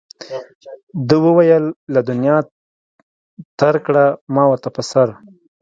ده وویل له دنیا ترک کړه ما ورته په سر.